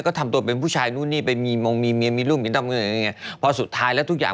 ก็มันประสิทธิ์กัน